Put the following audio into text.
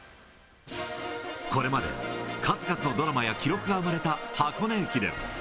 これまで数々のドラマや記録が生まれた箱根駅伝。